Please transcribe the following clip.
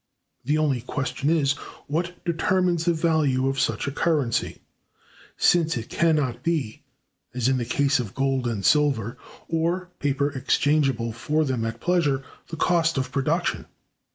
The only question is, what determines the value of such a currency, since it can not be, as in the case of gold and silver (or paper exchangeable for them at pleasure), the cost of production.